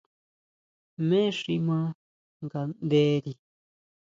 ¿Jmé xi ʼma nganderi?